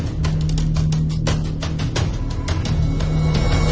แล้วก็พอเล่ากับเขาก็คอยจับอย่างนี้ครับ